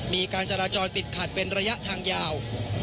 มีการจราจรติดขัดเป็นระยะทางยาว